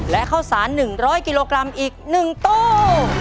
และข้าวสาร๑๐๐กิโลกรัมอีก๑ตู้